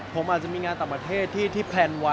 ผมอาจจะมีงานต่างประเทศที่แพลนไว้